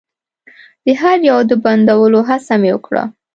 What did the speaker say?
د هر يو د بندولو هڅه مې وکړه.